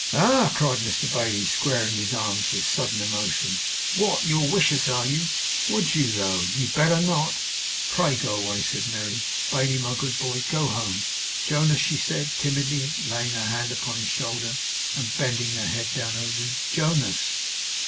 'Ah!' cried Mr Bailey, squaring his arms with a sudden emotion. 'What, you're wicious, are you? Would you though! You'd better not!' 'Pray, go away!' said Merry. 'Bailey, my good boy, go home. Jonas!' she said; timidly laying her hand upon his shoulder, and bending her head down over him. 'Jonas!